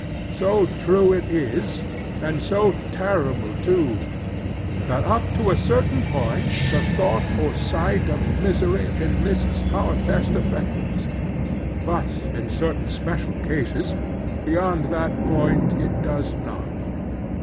So true it is, and so terrible too, that up to a certain point the thought or sight of misery enlists our best affections; but, in certain special cases, beyond that point it does not.